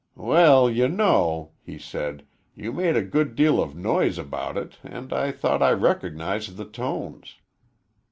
"Well, you know," he said, "you made a good deal of noise about it, and I thought I recognized the tones."